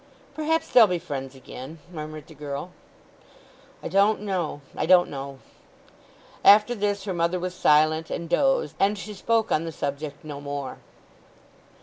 "Perhaps they'll be friends again," murmured the girl. "I don't know—I don't know." After this her mother was silent, and dozed; and she spoke on the subject no more.